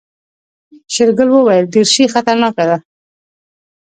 شېرګل وويل دريشي خطرناکه ده.